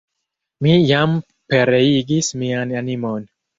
Mi jam pereigis mian animon!